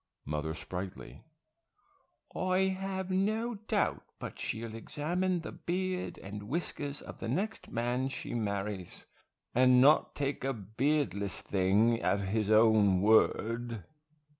Mother Sprightly, I have no doubt but she'll examine the beard and whiskers of the next man she marries, and not take a beardless thing at his own word.